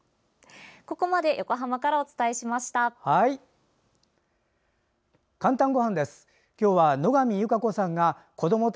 ここまで横浜からお伝えしました。